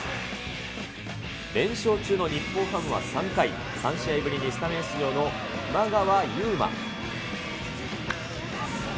連勝中の日本ハムは３回、３試合ぶりにスタメン出場の今川優馬。